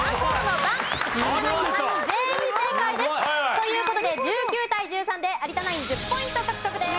という事で１９対１３で有田ナイン１０ポイント獲得です。